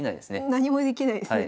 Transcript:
何もできないですね。